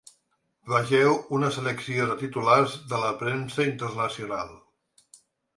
Vegeu una selecció de titulars de la premsa internacional.